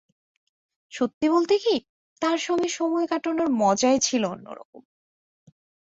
সত্যি বলতে কি, তাঁর সঙ্গে সময় কাটানোর মজাই ছিল অন্য রকম।